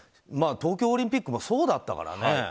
まあ、東京オリンピックもそうだったからね。